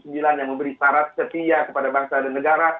yang memberi syarat setia kepada bangsa dan negara